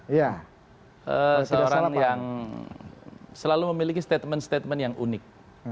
seorang yang selalu memiliki statement statement yang unik